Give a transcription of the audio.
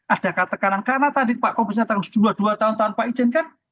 adakah tekanan karena tadi pak komunisnya tanggal dua tahun tanpa izin kan